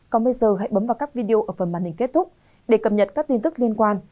còn bây giờ hãy bấm vào các video ở phần màn hình kết thúc để cập nhật các tin tức liên quan